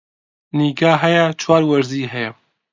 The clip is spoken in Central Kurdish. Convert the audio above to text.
نیگا هەیە چوار وەرزی ساڵ